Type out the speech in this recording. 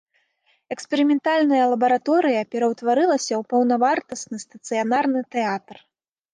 Эксперыментальная лабараторыя пераўтварылася ў паўнавартасны стацыянарны тэатр.